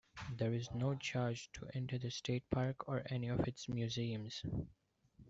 There is no charge to enter the state park or any of its museums.